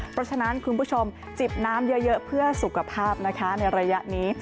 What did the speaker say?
เพราะฉะนั้นคุณผู้ชมจิบน้ำเยอะเพื่อสุขภาพนะคะในระยะนี้